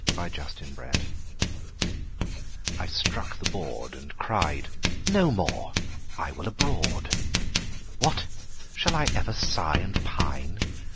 Y Z The Collar I STRUCK the board, and cried, No more. I will abroad. What? shall I ever sigh and pine?